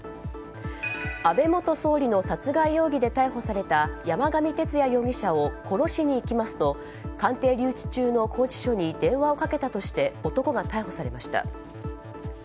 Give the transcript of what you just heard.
安倍元総理の殺害容疑で逮捕された山上徹也容疑者を殺しに行きますと鑑定留置中の拘置所に電話をかけたとして男が逮捕されました。